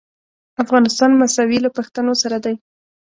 افغانستان مساوي له پښتنو سره دی.